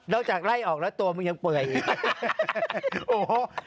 จากไล่ออกแล้วตัวมึงยังเปื่อยอีก